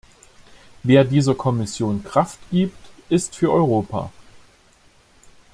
Wer dieser Kommission Kraft gibt, ist für Europa.